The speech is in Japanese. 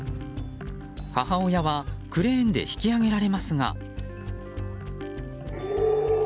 母親は、クレーンで引き上げられますが。